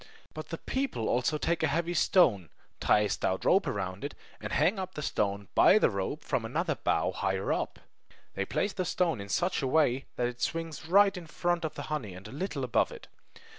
But the people also take a heavy stone, tie a stout rope around it, and hang up the stone by the rope from another bough higher up. They place the stone in such a way that it swings right in front of the honey and a little above it.